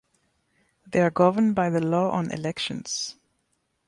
They are governed by the Law on Elections.